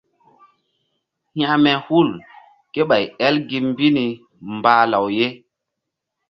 Hekme hul ké ɓay el gi mbi ni mbah law ye.